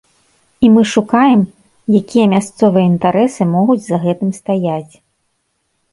І мы шукаем, якія мясцовыя інтарэсы могуць за гэтым стаяць.